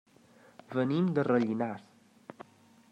Venim de Rellinars.